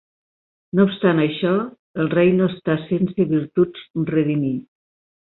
No obstant això, el rei no està sense virtuts redimir.